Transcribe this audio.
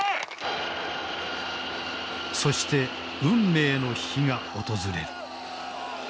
そして運命の日が訪れる。